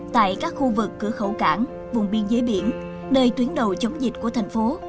tại các khu vực cửa khẩu cảng vùng biên giới biển nơi tuyến đầu chống dịch của thành phố